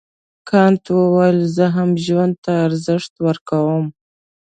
کانت وویل زه هم ژوند ته ارزښت ورکوم.